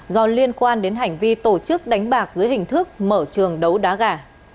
do liên quan đến hành vi tổ chức đánh bạc dưới hình thức mở trường đấu đá gà